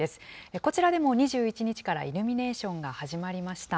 こちらでも２１日からイルミネーションが始まりました。